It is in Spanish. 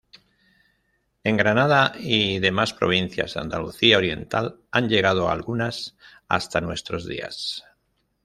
En Granada y demás provincias de Andalucía Oriental han llegado algunas hasta nuestros días.